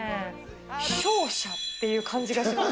勝者っていう感じがします。